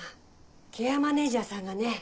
ケアマネジャーさんがね